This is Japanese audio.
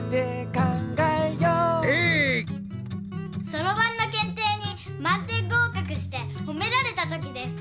そろばんのけんていにまん点ごうかくしてほめられた時です。